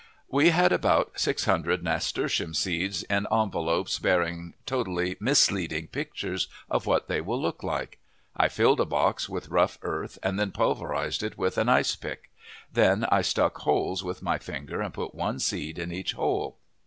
We had about six hundred nasturtium seeds in envelopes bearing totally misleading pictures of what they will look like. I filled a box with rough earth and then pulverized it with an ice pick. Then I stuck holes with my finger and put one seed in each hole.